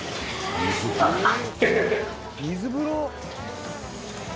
「水風呂！？」